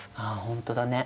ほんとだね。